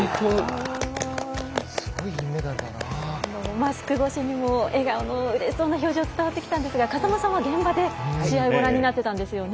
マスク越しにも笑顔のうれしそうな表情伝わってきましたが風間さんは、現場で試合ご覧になっていたんですよね？